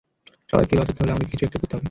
সবাইকে বাঁচাতে হলে আমাদেরকে কিছু একটা করতে হবে।